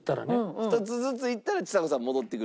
１つずついったらちさ子さん戻ってくる。